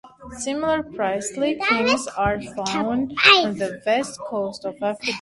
Similar priestly kings are found on the west coast of Africa.